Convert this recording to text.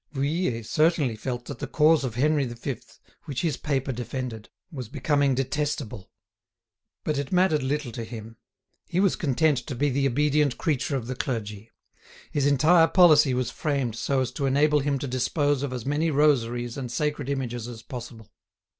Vuillet certainly felt that the cause of Henry V., which his paper defended, was becoming detestable; but it mattered little to him; he was content to be the obedient creature of the clergy; his entire policy was framed so as to enable him to dispose of as many rosaries and sacred images as possible.